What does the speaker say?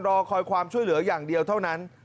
รอคอยความช่วยเหลืออย่างเดียวเท่านั้น